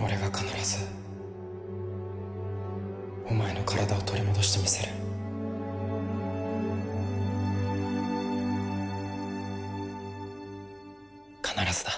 俺が必ずお前の体を取り戻してみせる必ずだ